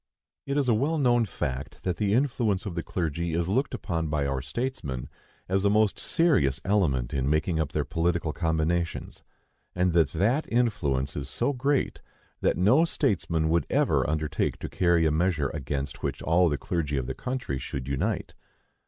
It is a well known fact that the influence of the clergy is looked upon by our statesmen as a most serious element in making up their political combinations; and that that influence is so great, that no statesman would ever undertake to carry a measure against which all the clergy of the country should unite.